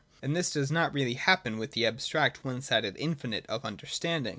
And this does really happen with the ab stract one sided infinite of understanding.